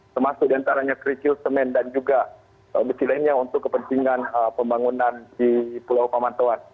termasuk diantaranya kerikil semen dan juga besi lainnya untuk kepentingan pembangunan di pulau pemantauan